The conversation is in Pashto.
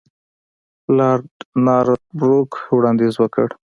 لارډ نارت بروک وړاندیز وکړ.